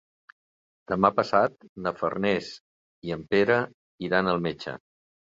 Demà passat na Farners i en Pere iran al metge.